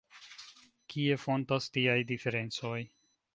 Kie fontas tiaj diferencoj?